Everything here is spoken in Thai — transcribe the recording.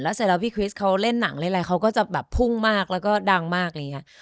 แล้วเสร็จแล้วพี่คริสเขาเล่นหนังอะไรเขาก็จะแบบพุ่งมากแล้วก็ดังมาก